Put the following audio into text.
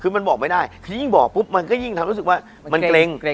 คือมันบอกไม่ได้คือยิ่งบอกปุ๊บมันก็ยิ่งทำรู้สึกว่ามันเกร็ง